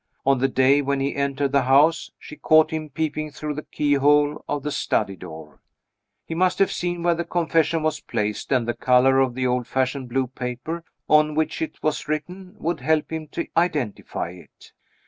On the day when he entered the house, she caught him peeping through the keyhole of the study door. He must have seen where the confession was placed, and the color of the old fashioned blue paper, on which it was written, would help him to identify it.